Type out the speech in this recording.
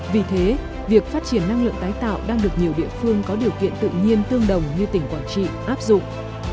vì thế việc phát triển năng lượng tái tạo đang được nhiều địa phương có điều kiện tự nhiên tương đồng như tỉnh quảng trị áp dụng